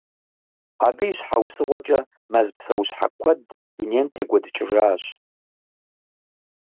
Абы и щхьэусыгъуэкӏэ, мэз псэущхьэ куэд дунейм текӀуэдыкӀыжащ.